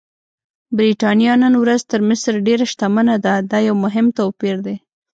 برېټانیا نن ورځ تر مصر ډېره شتمنه ده، دا یو مهم توپیر دی.